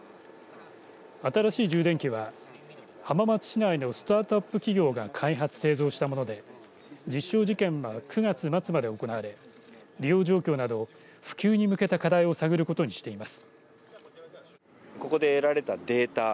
新しい充電器は浜松市内のスタートアップ企業が開発、製造したもので実証実験は９月末まで行われ利用状況など普及に向けた課題を探ることにしています。